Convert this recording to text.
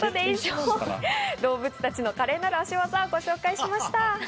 動物たちの華麗なる足ワザをご紹介しました。